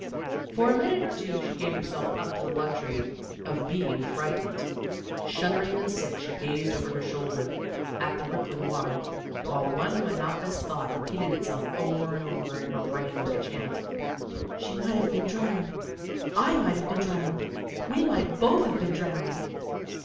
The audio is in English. For a minute or two she gave herself up to the luxury of being frightened. Shuddering and sick, she gazed over her shoulder at the rippling water, while one monotonous thought repeated itself over and over in her brain like a chant. "She might have been drowned. I might have been drowned. We might both have been drowned."